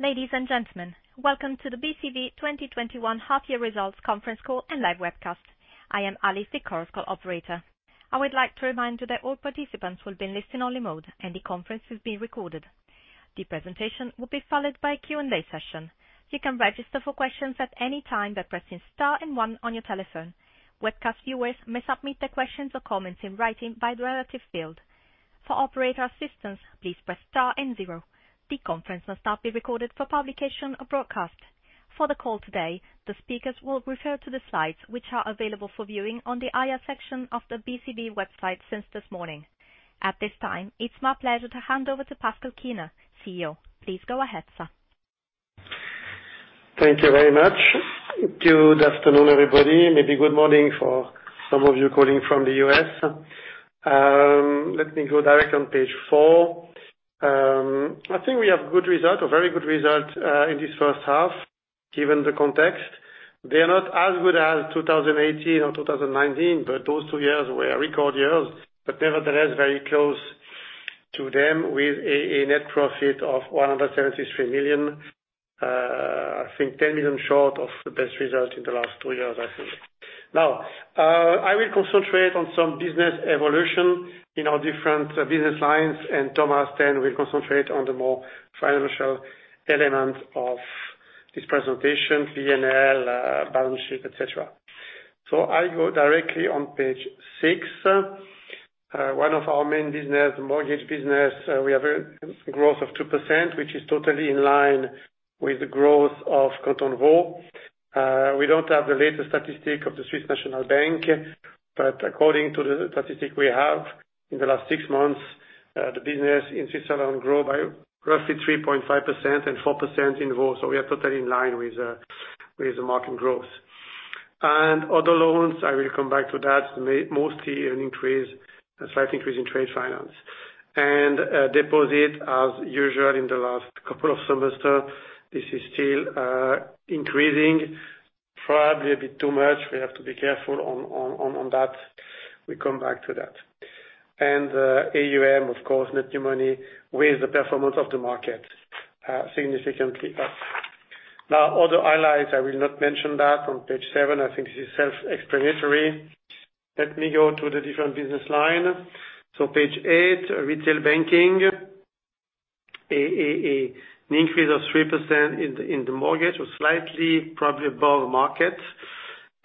Ladies and gentlemen, welcome to the BCV 2021 half-year results conference call and live webcast. I am Alice, the conference call operator. I would like to remind you that all participants will be in listen-only mode and the conference is being recorded. The presentation will be followed by a Q&A session. You can register for questions at any time by pressing star one on your telephone. Webcast viewers may submit their questions or comments in writing by the relative field. For operator assistance, please press star zero. The conference must not be recorded for publication or broadcast. For the call today, the speakers will refer to the slides, which are available for viewing on the IR section of the BCV website since this morning. At this time, it's my pleasure to hand over to Pascal Kiener, CEO. Please go ahead, sir. Thank you very much. Good afternoon, everybody. Maybe good morning for some of you calling from the U.S. Let me go directly on page four. I think we have good results, or very good results, in this first half, given the context. Those two years were record years, nevertheless, very close to them, with a net profit of 173 million. I think 10 million short of the best result in the last two years, I think. I will concentrate on some business evolution in our different business lines, Thomas, then, will concentrate on the more financial elements of this presentation, P&L, balance sheet, et cetera. I go directly on page six. One of our main business, mortgage business, we have a growth of 2%, which is totally in line with the growth of Canton Vaud. We don't have the latest statistic of the Swiss National Bank, according to the statistic we have, in the last six months, the business in Switzerland grow by roughly 3.5% and 4% in Vaud, we are totally in line with the market growth. Other loans, I will come back to that, mostly a slight increase in trade finance. Deposit, as usual, in the last couple of semesters, this is still increasing. Probably a bit too much. We have to be careful on that. We come back to that. AUM, of course, net new money with the performance of the market, significantly up. Other highlights, I will not mention that on page seven. I think this is self-explanatory. Let me go to the different business line. Page eight, retail banking. An increase of 3% in the mortgage, or slightly, probably above market.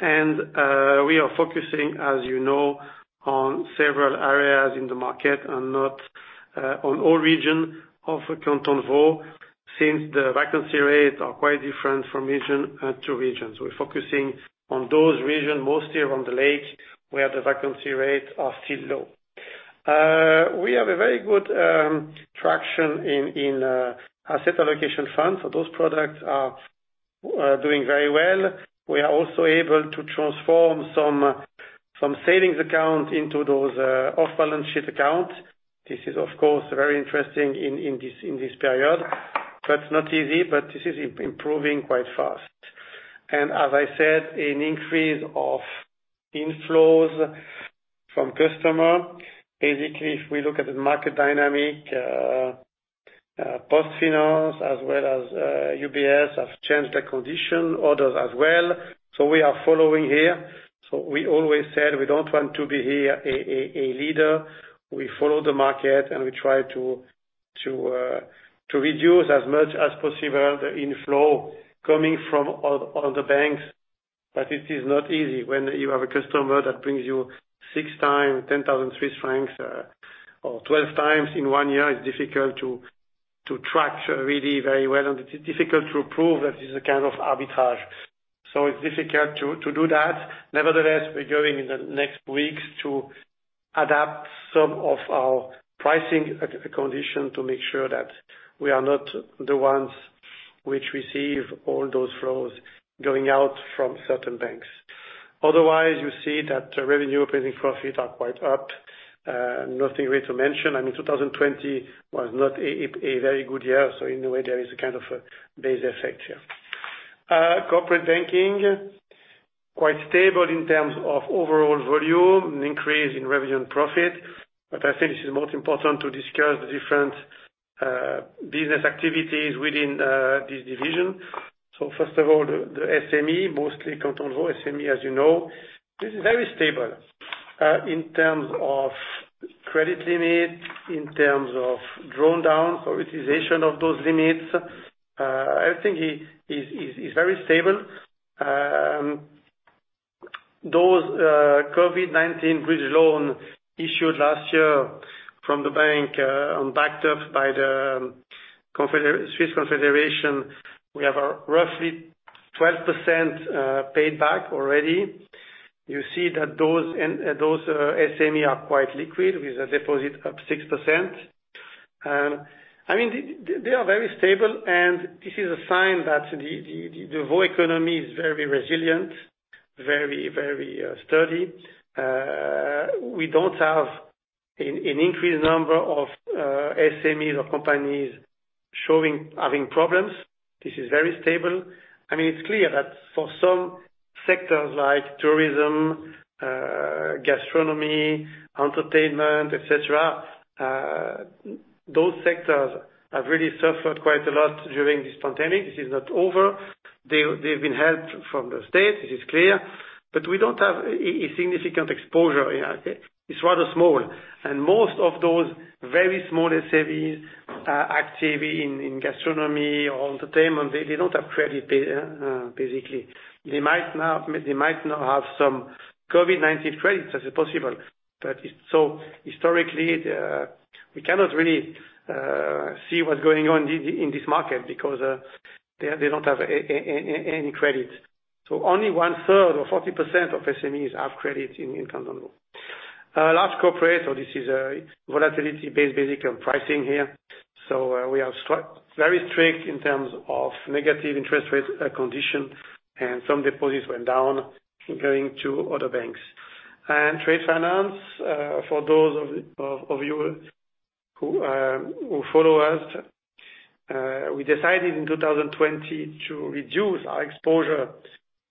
We are focusing, as you know, on several areas in the market and not on all region of Canton Vaud, since the vacancy rates are quite different from region to region. We're focusing on those region, mostly around the lake, where the vacancy rates are still low. We have a very good traction in asset allocation funds. Those products are doing very well. We are also able to transform some savings account into those off-balance sheet account. This is, of course, very interesting in this period. That's not easy, but this is improving quite fast. As I said, an increase of inflows from customer. Basically, if we look at the market dynamic, PostFinance, as well as UBS, have changed their condition, others as well. We are following here. We always said we don't want to be here a leader. We follow the market, and we try to reduce as much as possible the inflow coming from other banks. It is not easy when you have a customer that brings you six times 10,000 Swiss francs, or 12 times in one-year. It's difficult to track really very well, and it's difficult to prove that this is a kind of arbitrage. It's difficult to do that. Nevertheless, we're going in the next weeks to adapt some of our pricing condition to make sure that we are not the ones which receive all those flows going out from certain banks. Otherwise, you see that revenue, operating profit are quite up. Nothing really to mention. I mean, 2020 was not a very good year, so in a way, there is a kind of a base effect here. Corporate banking, quite stable in terms of overall volume, an increase in revenue and profit. I think this is most important to discuss the different business activities within this division. First of all, the SME, mostly Canton Vaud SME, as you know. This is very stable in terms of credit limit, in terms of drawdowns, prioritization of those limits. I think it's very stable. Those COVID-19 bridge loan issued last year from the bank, backed up by the Swiss Confederation, we have a roughly 12% paid back already. You see that those SME are quite liquid, with a deposit up 6%. They are very stable, and this is a sign that the Vaud economy is very resilient, very sturdy. We don't have an increased number of SMEs or companies having problems. This is very stable. I mean, it's clear that for some sectors like tourism, gastronomy, entertainment, et cetera, those sectors have really suffered quite a lot during this pandemic. This is not over. They've been helped from the state, this is clear, but we don't have a significant exposure. It's rather small, and most of those very small SMEs are active in gastronomy or entertainment. They don't have credit, basically. They might now have some COVID-19 credits, that's possible. But historically, we cannot really see what's going on in this market because they don't have any credit. Only one-third or 40% of SMEs have credit in Canton de Vaud. Large corporate. This is a volatility-based basic on pricing here. We are very strict in terms of negative interest rate condition, and some deposits went down, comparing to other banks. Trade finance, for those of you who follow us, we decided in 2020 to reduce our exposure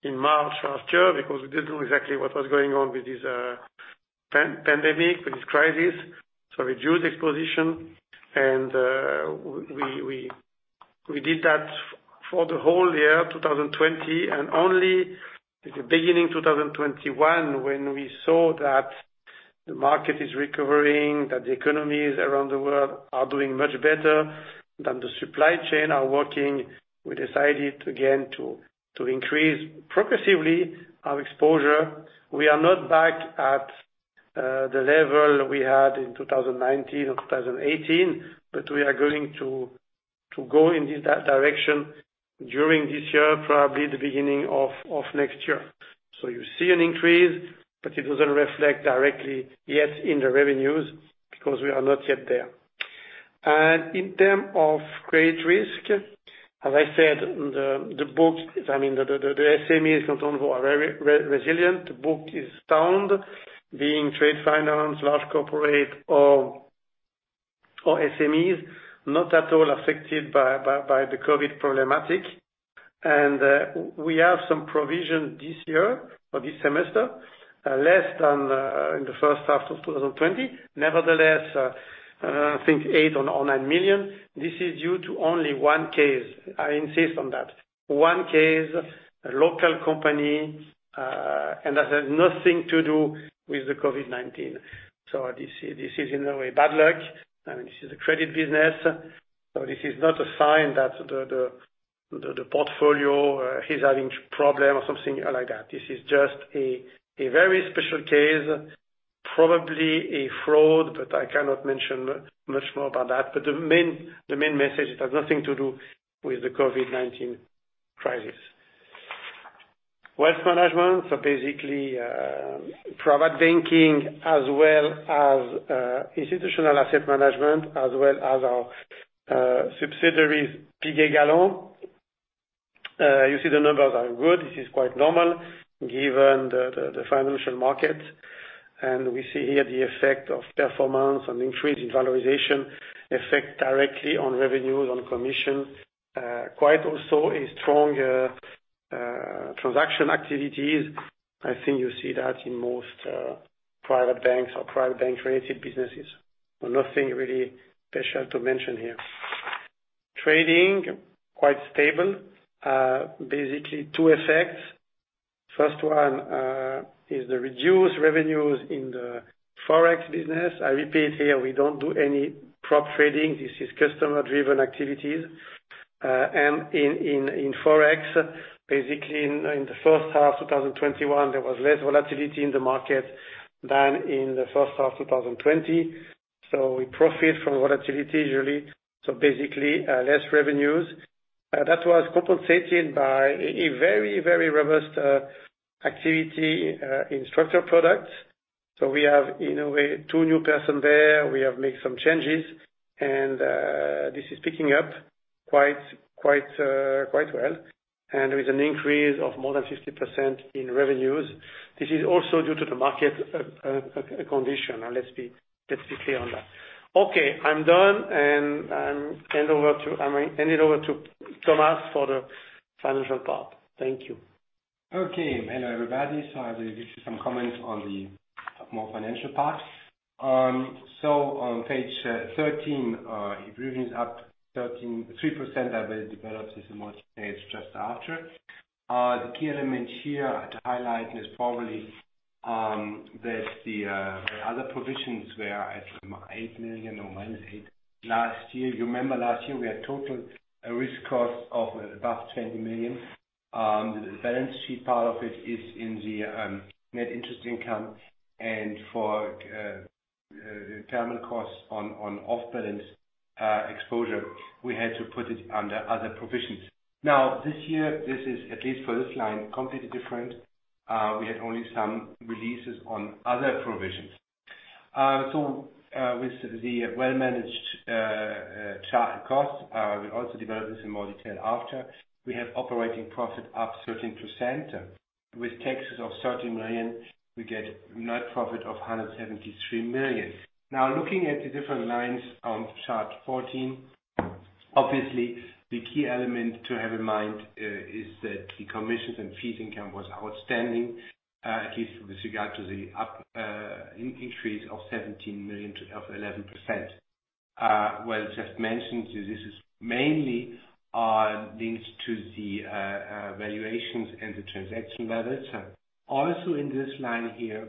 in March last year because we didn't know exactly what was going on with this pandemic, with this crisis. We reduced exposure, and we did that for the whole year, 2020, and only the beginning of 2021, when we saw that the market is recovering, that the economies around the world are doing much better, that the supply chain are working, we decided again to increase progressively our exposure. We are not back at the level we had in 2019 or 2018, but we are going to go in that direction during this year, probably the beginning of next year. You see an increase, but it doesn't reflect directly yet in the revenues, because we are not yet there. In terms of credit risk, as I said, the books, I mean, the SME is going to evolve very resilient. The book is sound, being trade finance, large corporate or SMEs, not at all affected by the COVID-19 problematic. We have some provision this year or this semester, less than in the first half of 2020. Nevertheless, I think 8 million or 9 million. This is due to only one case. I insist on that. One case, a local company, and that has nothing to do with the COVID-19. This is in a way bad luck. This is a credit business. This is not a sign that the portfolio is having problem or something like that. This is just a very special case, probably a fraud, but I cannot mention much more about that. The main message, it has nothing to do with the COVID-19 crisis. Wealth management, so basically private banking as well as institutional asset management, as well as our subsidiaries, Piguet Galland. You see the numbers are good. This is quite normal given the financial market. We see here the effect of performance and increase in valorization effect directly on revenues, on commission. Quite also a strong transaction activities. I think you see that in most private banks or private bank-related businesses. Nothing really special to mention here. Trading, quite stable. Basically two effects. First one is the reduced revenues in the Forex business. I repeat here, we don't do any prop trading. This is customer-driven activities. In Forex, basically in the first half of 2021, there was less volatility in the market than in the first half of 2020. We profit from volatility usually, so basically less revenues. That was compensated by a very robust activity in structured products. We have, in a way, two new person there. We have made some changes, and this is picking up quite well, and with an increase of more than 50% in revenues. This is also due to the market condition. Let's be clear on that. Okay, I'm done and hand it over to Thomas for the financial part. Thank you. Okay. Hello, everybody. I will give you some comments on the more financial part. On page 13, if revenue is up 13.3% that I develop this in more detail just after. The key element here to highlight is probably that the other provisions were at 8 million or minus 8 last year. You remember last year, we had total risk cost of above 20 million. The balance sheet part of it is in the net interest income and for terminal costs on off-balance exposure, we had to put it under other provisions. This year, this is, at least for this line, completely different. We had only some releases on other provisions. With the well-managed charge costs, I will also develop this in more detail after. We have operating profit up 13%. With taxes of 30 million, we get net profit of 173 million. Looking at the different lines on chart 14, obviously, the key element to have in mind is that the commissions and fees income was outstanding, at least with regard to the increase of 17 million of 11%. Well, just mentioned, this mainly links to the valuations and the transaction levels. In this line here,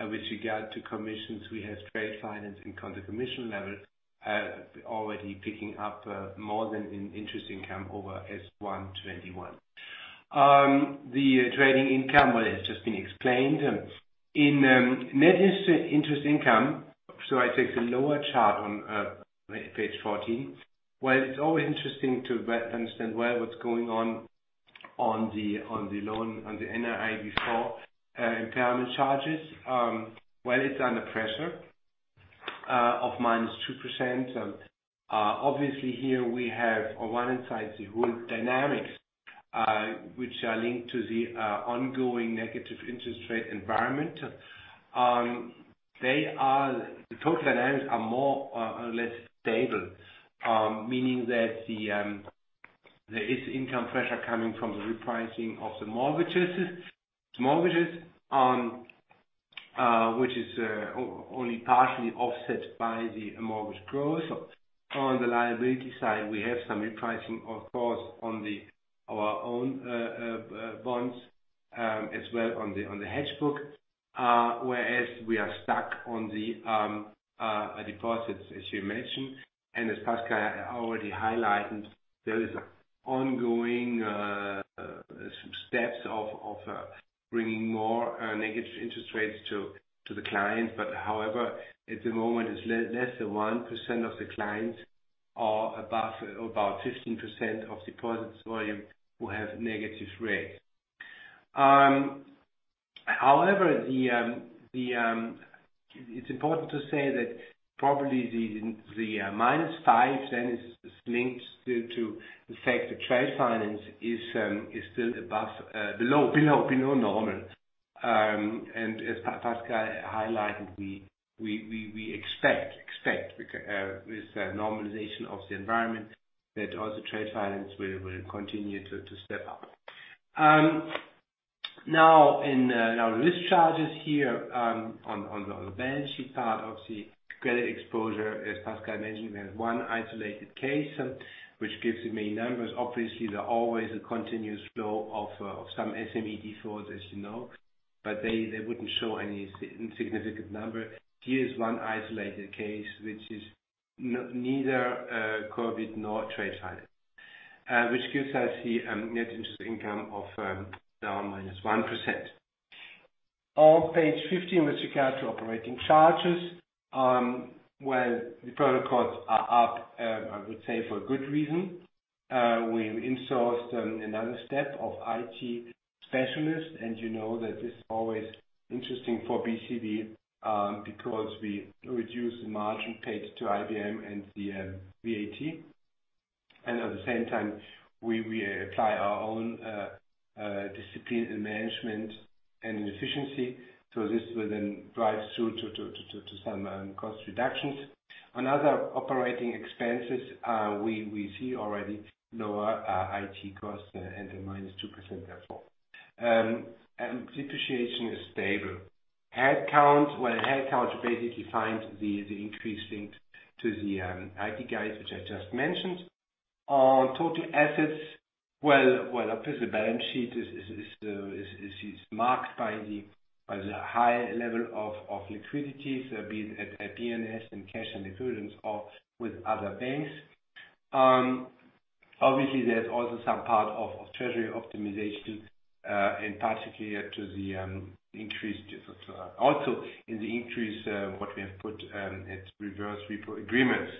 with regard to commissions, we have trade finance and counter commission levels already picking up more than in interest income over H1 2021. The trading income, well, it's just been explained. In net interest income, I take the lower chart on page 14. Well, it's always interesting to understand well what's going on on the loan, on the NIM before impairment charges. Well, it's under pressure of -2%. Obviously, here we have, on one side, the whole dynamics, which are linked to the ongoing negative interest rate environment. The total dynamics are more or less stable, meaning that there is income pressure coming from the repricing of the mortgages which is only partially offset by the mortgage growth. On the liability side, we have some repricing, of course, on our own bonds, as well on the hedge book, whereas we are stuck on the deposits, as you mentioned. As Pascal already highlighted, there is ongoing steps of bringing more negative interest rates to the client. However, at the moment it's less than 1% of the clients or about 15% of deposits volume who have negative rates. However, it's important to say that probably the minus five, then is linked still to the fact that trade finance is still below normal. As Pascal highlighted, we expect with the normalization of the environment that also trade finance will continue to step up. Risk charges here on the balance sheet part of the credit exposure, as Pascal mentioned, we have one isolated case which gives the main numbers. There are always a continuous flow of some SME defaults, as you know, but they wouldn't show any significant number. Here is one isolated case which is neither COVID nor trade finance, which gives us the net interest income of down minus 1%. On page 15, with regard to operating charges. Well, the total costs are up, I would say, for a good reason. We've insourced another step of IT specialists, you know that this is always interesting for BCV, because we reduce the margin paid to IBM and the VAT. At the same time, we apply our own discipline in management and in efficiency. This will drive through to some cost reductions. On other operating expenses, we see already lower IT costs and the -2% therefore. Depreciation is stable. Headcount. Well, headcount basically finds the increase linked to the IT guys, which I just mentioned. On total assets, well, obviously balance sheet is marked by the high level of liquidity, be it at SNB and cash and equivalents or with other banks. Obviously, there's also some part of treasury optimization, and particularly to the increase deficit. Also in the increase, what we have put at reverse repo agreements.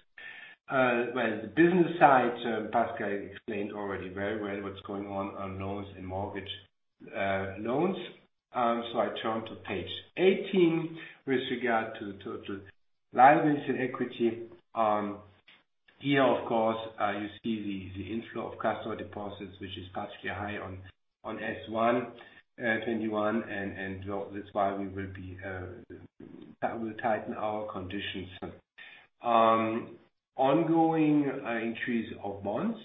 Well, the business side, Pascal explained already very well what's going on on loans and mortgage loans. I turn to page 18 with regard to total liabilities and equity. Here, of course, you see the inflow of customer deposits, which is particularly high on H1 2021, and that's why we will tighten our conditions. Ongoing increase of bonds,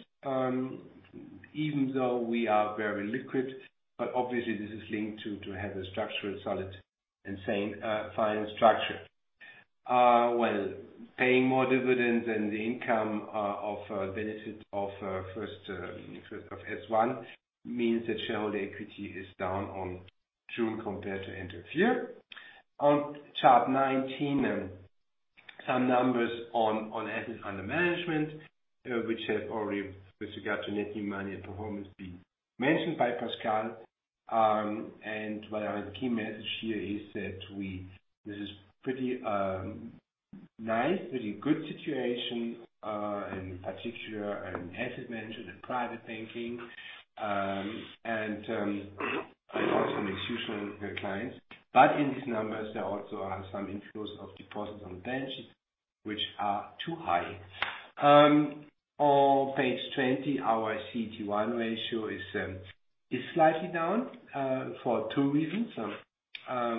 even though we are very liquid. Obviously this is linked to have a structural solid and sound finance structure. Well, paying more dividends and the income of benefits of H1 means that shareholder equity is down on June compared to end of year. On chart 19, some numbers on assets under management, which have already with regard to net new money and performance been mentioned by Pascal. Well, the key message here is that this is pretty nice, pretty good situation, in particular in asset management and private banking, and also institutional clients. In these numbers, there also are some inflows of deposits on the balance sheet which are too high. On page 20, our CET1 ratio is slightly down for two reasons.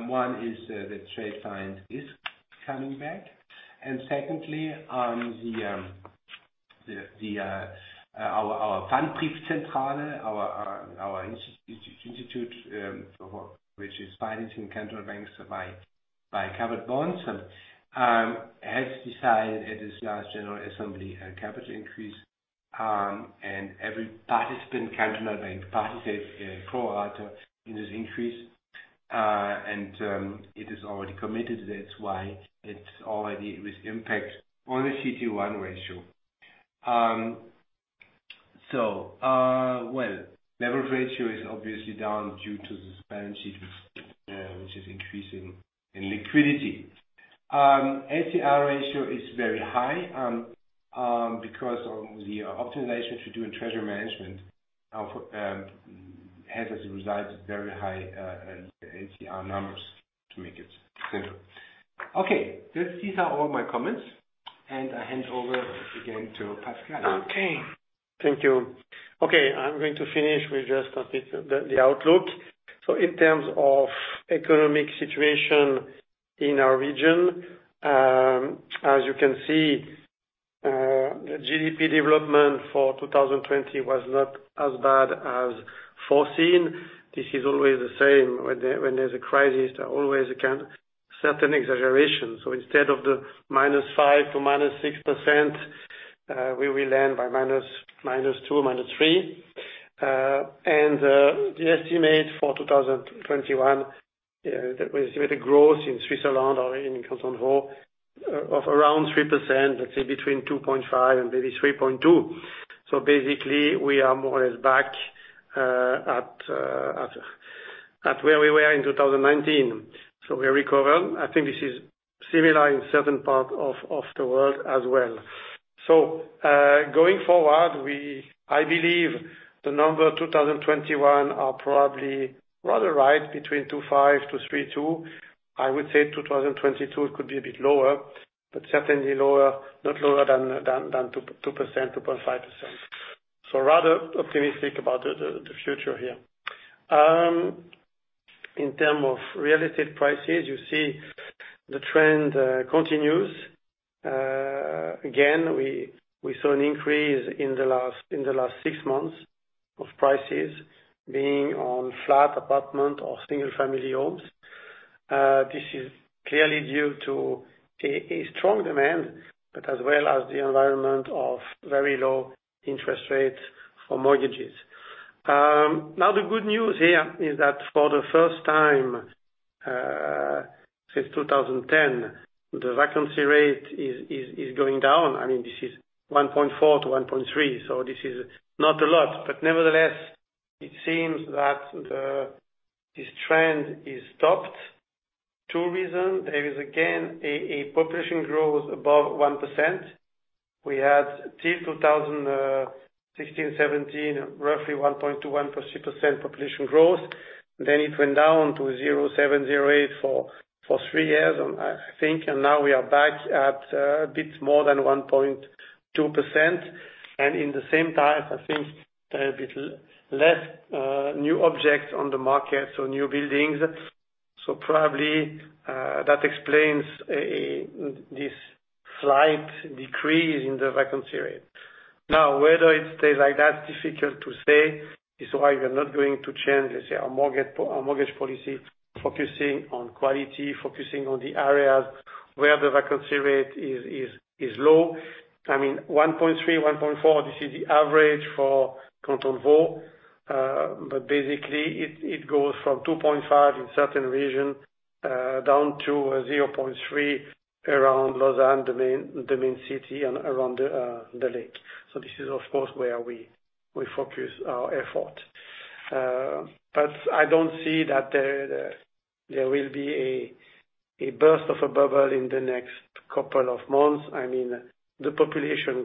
One is the trade finance risk. Coming back. Secondly, our institute, which is financing cantonal banks by covered bonds, has decided at its last general assembly a capital increase. Every participant cantonal bank participates pro rata in this increase. It is already committed, that's why it already was impact on the CET1 ratio. Well, leverage ratio is obviously down due to the suspension, which is increasing in liquidity. LCR ratio is very high, because of the optimization to do in treasury management has, as a result, very high LCR numbers to make it simple. Okay. These are all my comments, and I hand over again to Pascal. Thank you. I'm going to finish with just a bit, the outlook. In terms of economic situation in our region, as you can see, the GDP development for 2020 was not as bad as foreseen. This is always the same. When there's a crisis, always can certain exaggeration. Instead of the -5% to -6%, we will land by -2%, -3%. The estimate for 2021, with growth in Switzerland or in Canton Vaud of around 3%, let's say between 2.5% and 3.2%. Basically we are more or less back at where we were in 2019. We're recovered. I think this is similar in certain part of the world as well. Going forward, I believe the number 2021 are probably rather right between 2.5%-3.2%. I would say 2022 could be a bit lower, but certainly not lower than 2%, 2.5%. Rather optimistic about the future here. In terms of real estate prices, you see the trend continues. Again, we saw an increase in the last six months of prices being on flat apartment or single-family homes. This is clearly due to a strong demand, but as well as the environment of very low interest rates for mortgages. Now the good news here is that for the first time since 2010, the vacancy rate is going down. This is 1.4%-1.3%, so this is not a lot. Nevertheless, it seems that this trend is stopped. Two reason. There is again, a population growth above 1%. We had till 2016, 2017, roughly 1.1%-1.3% population growth. It went down to 0.7%, 0.8% for three years, I think. Now we are back at a bit more than 1.2%. In the same time, I think there are a bit less new objects on the market, so new buildings. Probably, that explains this slight decrease in the vacancy rate. Now whether it stays like that, difficult to say. It's why we are not going to change, let's say, our mortgage policy, focusing on quality, focusing on the areas where the vacancy rate is low. I mean, 1.3%, 1.4%, this is the average for Canton Vaud. Basically it goes from 2.5% in certain region, down to 0.3% around Lausanne, the main city and around the lake. This is of course where we focus our effort. I don't see that there will be a burst of a bubble in the next couple of months. The population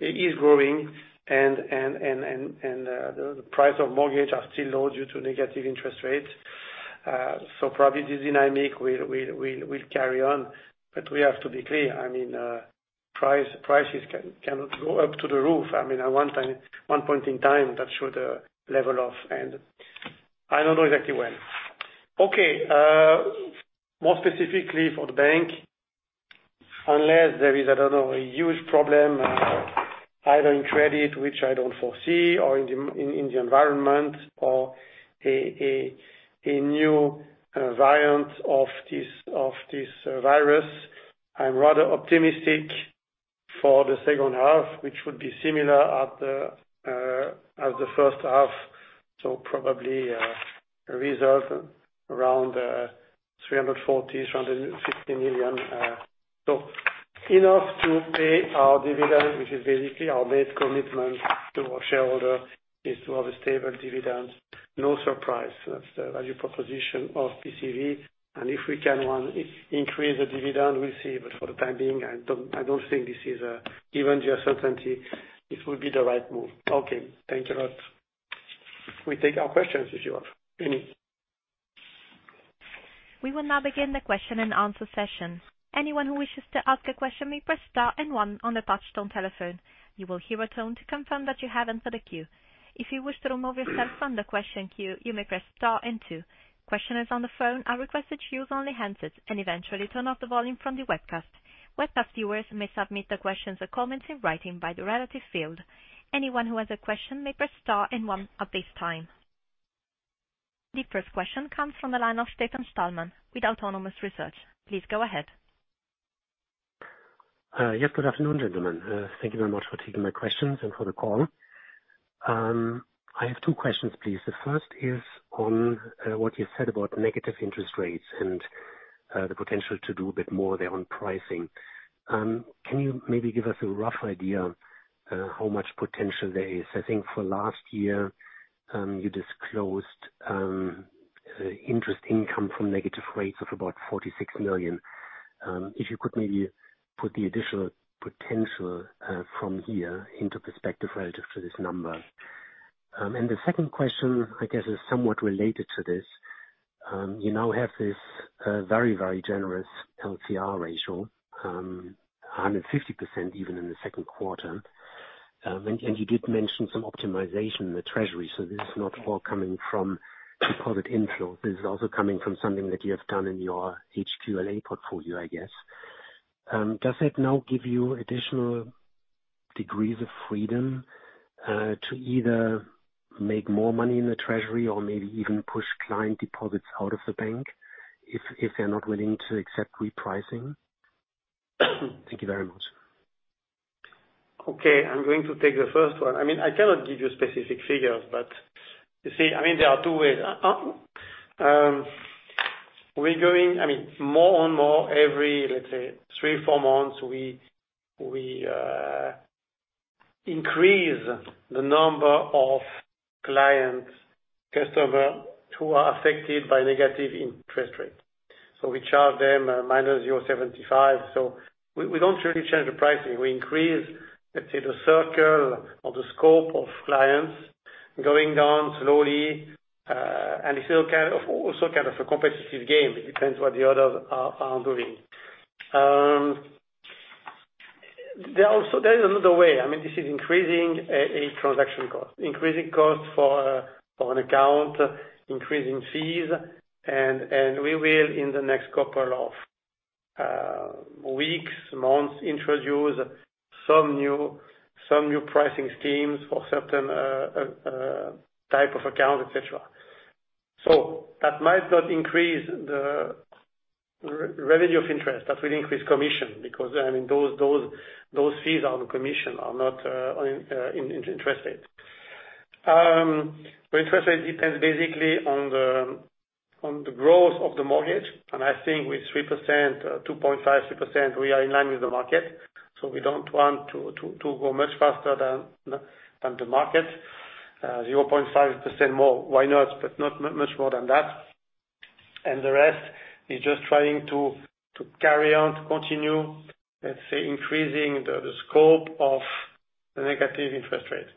is growing, and the price of mortgage are still low due to negative interest rates. Probably this dynamic will carry on. We have to be clear, prices cannot go up to the roof. At one point in time that should level off, and I don't know exactly when. Okay. More specifically for the bank, unless there is, I don't know, a huge problem, either in credit, which I don't foresee, or in the environment, or a new variant of this virus. I'm rather optimistic for the second half, which would be similar as the first half. Probably a reserve around 340 million-360 million. Enough to pay our dividend, which is basically our base commitment to our shareholder, is to have a stable dividend, no surprise. That's the value proposition of BCV, and if we can increase the dividend, we'll see. For the time being, I don't think this is a given certainty it will be the right move. Okay. Thank you a lot. We take our questions if you have any. We will now begin the Q&A session. Anyone who wishes to ask a question may press star and one on the touchtone telephone. You will hear a tone to confirm that you have entered a queue. If you wish to remove yourself from the question queue, you may press star and two. Questioners on the phone are requested to use only handsets and eventually turn off the volume from the webcast. Webcast viewers may submit their questions or comments in writing by the relative field. Anyone who has a question may press star and one at this time. The first question comes from the line of Stefan Stalmann with Autonomous Research. Please go ahead. Yes. Good afternoon, gentlemen. Thank you very much for taking my questions and for the call. I have two questions, please. The first is on what you said about negative interest rates and the potential to do a bit more there on pricing. Can you maybe give us a rough idea how much potential there is? I think for last year, you disclosed interest income from negative rates of about 46 million. If you could maybe put the additional potential from here into perspective relative to this number. The second question, I guess, is somewhat related to this. You now have this very, very generous LCR ratio, 150% even in the second quarter. You did mention some optimization in the treasury, so this is not all coming from deposit inflow. This is also coming from something that you have done in your HQLA portfolio, I guess. Does it now give you additional degrees of freedom to either make more money in the treasury or maybe even push client deposits out of the bank if they're not willing to accept repricing? Thank you very much. Okay. I'm going to take the first one. I cannot give you specific figures, but you see, there are two ways. More and more every, let's say, three, four months, we increase the number of clients, customer who are affected by negative interest rates. We charge them -0.75. We don't really change the pricing. We increase, let's say, the circle or the scope of clients going down slowly. It's also kind of a competitive game. It depends what the others are doing. There is another way. This is increasing a transaction cost, increasing cost for an account, increasing fees, and we will, in the next couple of weeks, months, introduce some new pricing schemes for certain type of accounts, et cetera. That might not increase the revenue of interest. That will increase commission because those fees are the commission, are not interest rate. Interest rate depends basically on the growth of the mortgage, and I think with 3%, 2.5%, 3%, we are in line with the market. We don't want to go much faster than the market. 0.5% more, why not? Not much more than that. The rest is just trying to carry on, to continue, let's say, increasing the scope of the negative interest rates.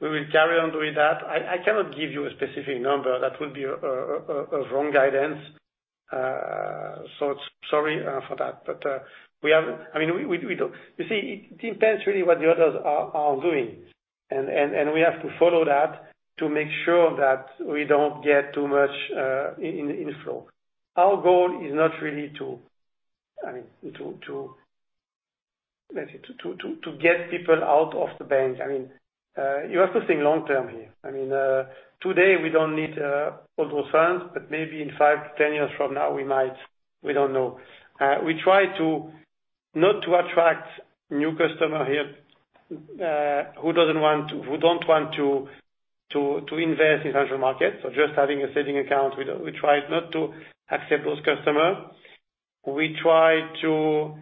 We will carry on with that. I cannot give you a specific number. That would be a wrong guidance. Sorry for that. You see, it depends really what the others are doing. We have to follow that to make sure that we don't get too much inflow. Our goal is not really to get people out of the bank. You have to think long-term here. Today, we don't need all those funds, but maybe in 5-10 years from now, we might. We don't know. We try to not to attract new customer here who don't want to invest in financial markets or just having a saving account. We try not to accept those customer. We try to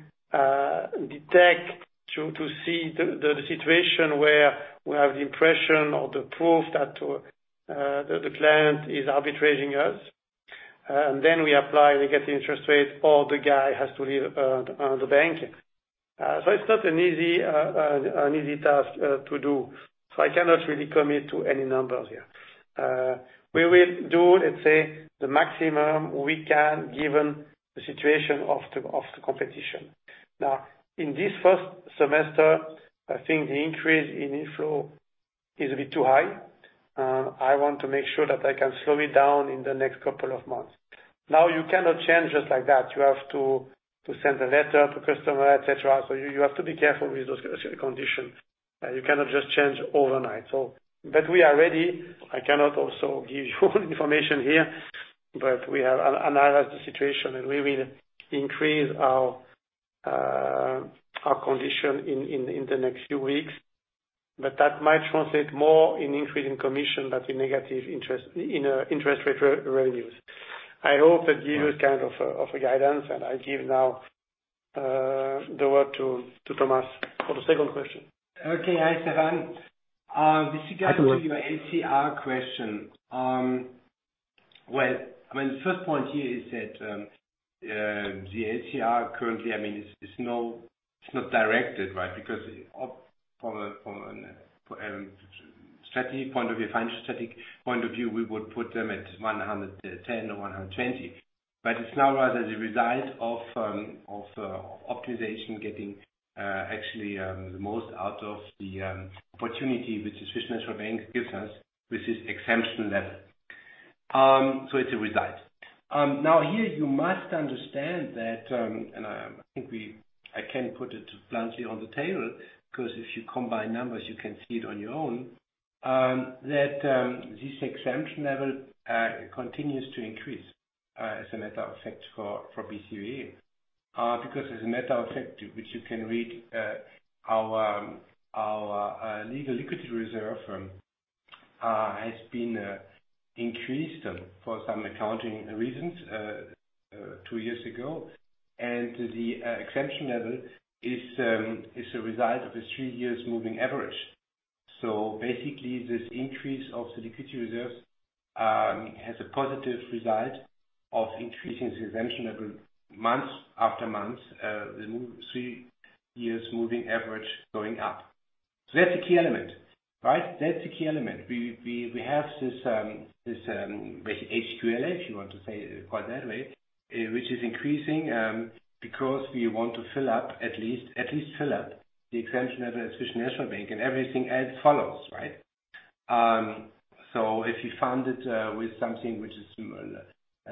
detect, to see the situation where we have the impression or the proof that the client is arbitraging us. Then we apply, we get the interest rate, or the guy has to leave the bank. It's not an easy task to do. I cannot really commit to any numbers here. We will do, let's say, the maximum we can given the situation of the competition. Now, in this first semester, I think the increase in inflow is a bit too high. I want to make sure that I can slow it down in the next couple of months. You cannot change just like that. You have to send a letter to customer, et cetera. You have to be careful with those kind of conditions. You cannot just change overnight. We are ready. I cannot also give you information here, but we have analyzed the situation, and we will increase our condition in the next few weeks. That might translate more in increasing commission than in interest rate revenues. I hope that gives kind of a guidance, and I give now the word to Thomas for the second question. Okay. Hi, Stefan. Hi, Thomas. With regards to your LCR question. Well, the first point here is that the LCR currently is not directed, right? Because from a strategy point of view, financial strategy point of view, we would put them at 110 or 120. It's now rather the result of optimization getting actually the most out of the opportunity which Swiss National Bank gives us with this exemption level. It's a result. Here you must understand that, and I think I can put it bluntly on the table, because if you combine numbers, you can see it on your own, that this exemption level continues to increase as a matter of fact for BCV. Because as a matter of fact, which you can read, our legal liquidity reserve has been increased for some accounting reasons two years ago. The exemption level is a result of a three years moving average. Basically, this increase of the liquidity reserve has a positive result of increasing the exemption level month after month, the three years moving average going up. That's the key element. Right? That's the key element. We have this HQLA, if you want to call it that way, which is increasing because we want to at least fill up the exemption level at Swiss National Bank and everything as follows, right? If you fund it with something which is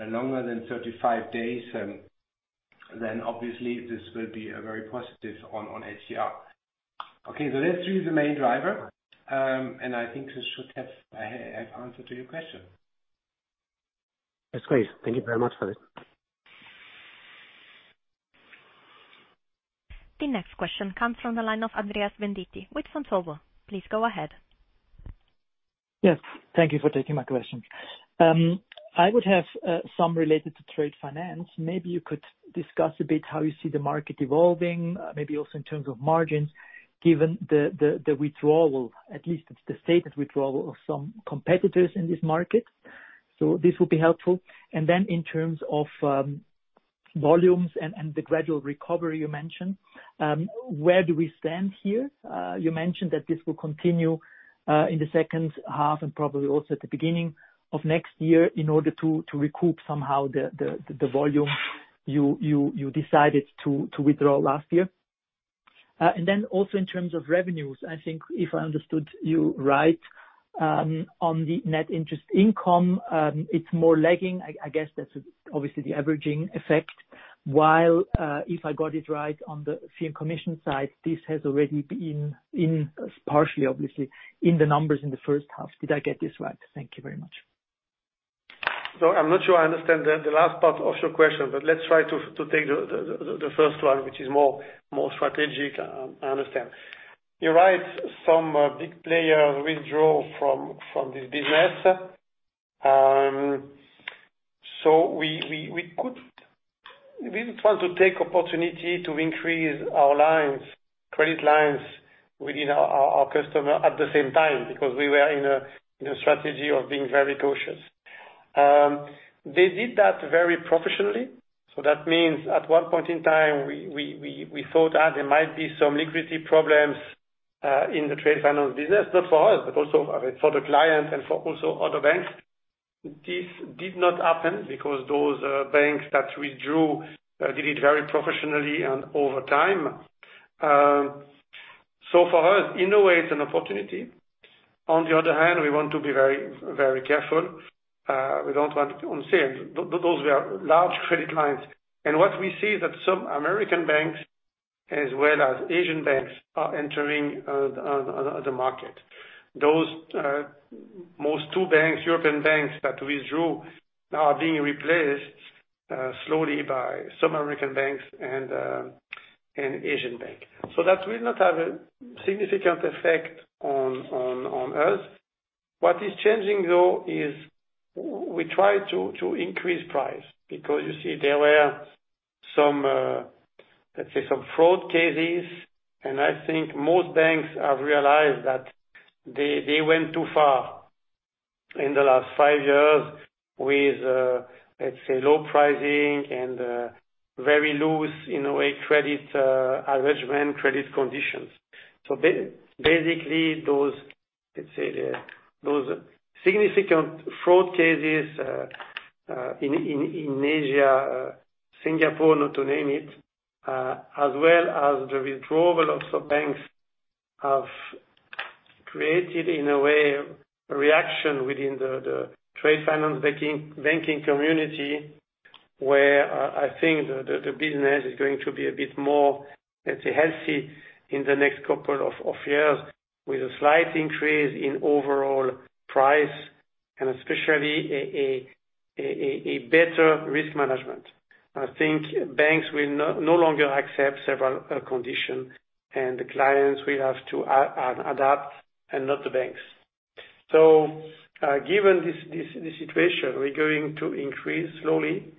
longer than 35 days, then obviously this will be very positive on LCR. Okay, that's really the main driver. I think this should have answered your question. That's great. Thank you very much for that. The next question comes from the line of Andreas Venditti with Vontobel. Please go ahead. Yes, thank you for taking my question. I would have some related to trade finance. Maybe you could discuss a bit how you see the market evolving, maybe also in terms of margins, given the withdrawal, at least the stated withdrawal of some competitors in this market. This would be helpful. In terms of volumes and the gradual recovery you mentioned, where do we stand here? You mentioned that this will continue in the second half and probably also at the beginning of next year in order to recoup somehow the volume you decided to withdraw last year. Also in terms of revenues, I think if I understood you right, on the net interest income, it's more lagging. I guess that's obviously the averaging effect. If I got it right on the fee and commission side, this has already been, partially obviously, in the numbers in the first half. Did I get this right? Thank you very much. I'm not sure I understand the last part of your question, but let's try to take the first one, which is more strategic, I understand. You're right, some big players withdraw from this business. We didn't want to take opportunity to increase our credit lines within our customer at the same time, because we were in a strategy of being very cautious. They did that very professionally. That means at one point in time, we thought that there might be some liquidity problems in the trade finance business, not for us, but also for the clients and for also other banks. This did not happen because those banks that withdrew did it very professionally and over time. For us, in a way, it's an opportunity. On the other hand, we want to be very careful. Obviously, those were large credit lines. What we see is that some American banks, as well as Asian banks, are entering the market. Those two banks, European banks that withdrew, are being replaced slowly by some American banks and Asian banks. That will not have a significant effect on us. What is changing, though, is we try to increase price, because you see there were some, let's say, some fraud cases, and I think most banks have realized that they went too far in the last 5 years with, let's say, low pricing and very loose, in a way, credit arrangement, credit conditions. Basically, those significant fraud cases in Asia, Singapore, not to name it, as well as the withdrawal of some banks have created, in a way, a reaction within the trade finance banking community, where I think the business is going to be a bit more, let's say, healthy in the next couple of years, with a slight increase in overall price and especially a better risk management. I think banks will no longer accept several conditions, and the clients will have to adapt, and not the banks. Given this situation, we're going to increase slowly.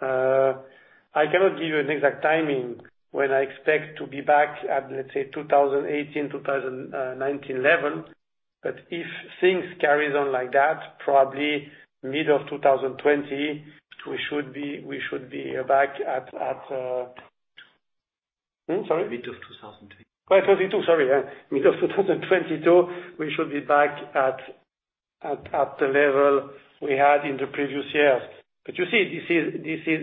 I cannot give you an exact timing when I expect to be back at, let's say, 2018, 2019 level. If things carries on like that, probably middle of 2020, we should be back at Sorry? Middle of 2022. 2022, sorry. Yeah. Middle of 2022, we should be back at the level we had in the previous years. You see, this is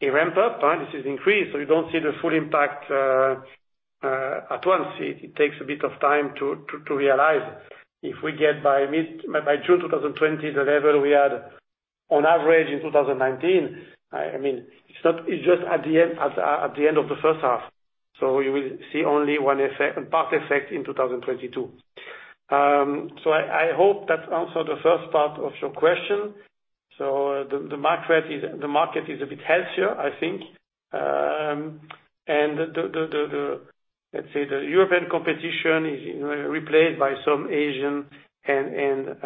a ramp-up. This is increase. You don't see the full impact at once. It takes a bit of time to realize. If we get by June 2020, the level we had on average in 2019, it's just at the end of the first half. You will see only one effect, a part effect, in 2022. I hope that answered the first part of your question. The market is a bit healthier, I think. Let's say the European competition is replaced by some Asian and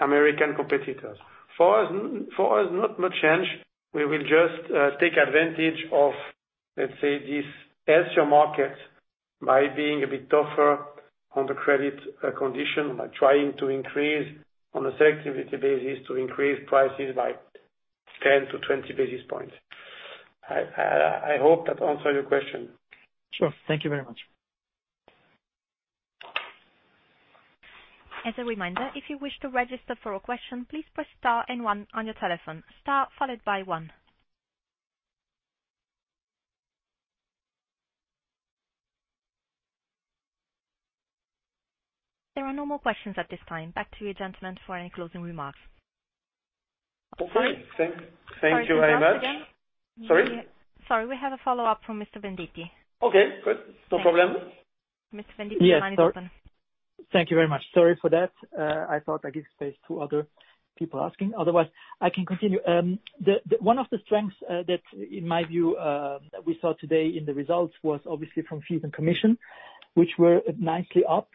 American competitors. For us, not much change. We will just take advantage of, let's say, this healthier market by being a bit tougher on the credit condition, by trying to increase on a selectivity basis, to increase prices by 10-20 basis points. I hope that answered your question. Sure. Thank you very much. As a reminder, if you wish to register for a question, please press star and one on your telephone. Star followed by one. There are no more questions at this time. Back to you, gentlemen, for any closing remarks. Okay. Thank you very much. Sorry? Sorry, we have a follow-up from Mr. Venditti. Okay, good. Thanks. No problem. Mr. Venditti, your line is open. Thank you very much. Sorry for that. I thought I give space to other people asking, otherwise, I can continue. One of the strengths that, in my view, we saw today in the results was obviously from fees and commission, which were nicely up.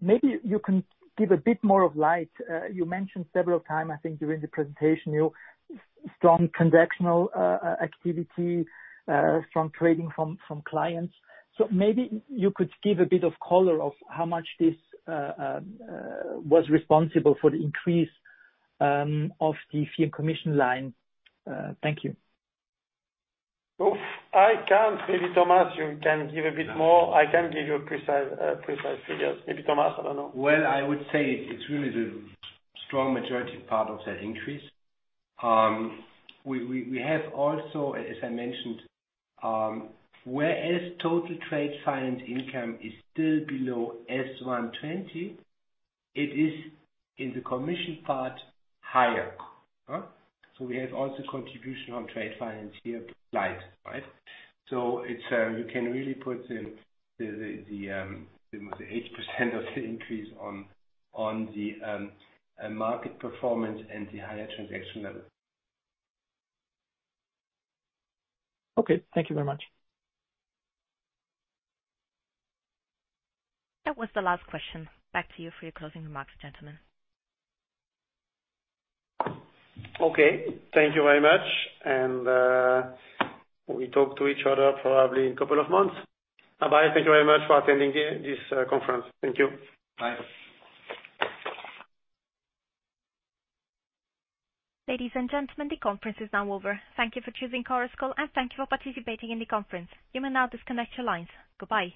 Maybe you can give a bit more of light. You mentioned several times, I think, during the presentation, your strong transactional activity from trading from clients. Maybe you could give a bit of color of how much this was responsible for the increase of the fee and commission line. Thank you. I can't. Maybe Thomas, you can give a bit more. I can't give you precise figures. Maybe Thomas, I don't know. Well, I would say it's really the strong majority part of that increase. We have also, as I mentioned, whereas total trade finance income is still below H1 2020, it is in the commission part, higher. We have also contribution on trade finance here applied. You can really put the 80% of the increase on the market performance and the higher transaction level. Okay, thank you very much. That was the last question. Back to you for your closing remarks, gentlemen. Okay. Thank you very much. We talk to each other probably in a couple of months. Bye-bye, thank you very much for attending this conference. Thank you. Bye. Ladies and gentlemen, the conference is now over. Thank you for choosing Chorus Call, and thank you for participating in the conference. You may now disconnect your lines. Goodbye.